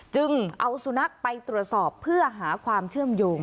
เอาสุนัขไปตรวจสอบเพื่อหาความเชื่อมโยง